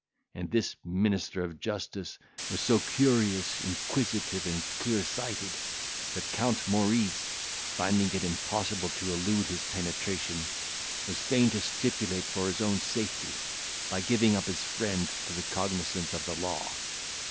And this minister of justice was so curious, inquisitive, and clear sighted, that Count Maurice, finding it impossible to elude his penetration, was fain to stipulate for his own safety, by giving up his friend to the cognisance of the law.